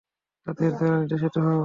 তাদের দ্বারা নির্দেশিত হও।